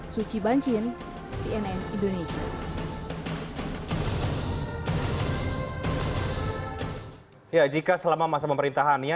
suci bancin cnn indonesia